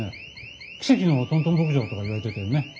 「奇跡のトントン牧場」とかいわれてたよね。